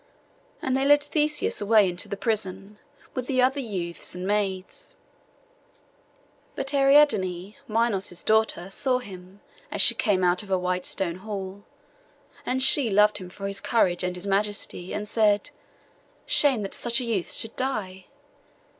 And they led Theseus away into the prison, with the other youths and maids. But Ariadne, Minos' daughter, saw him, as she came out of her white stone hall; and she loved him for his courage and his majesty, and said, 'Shame that such a youth should die!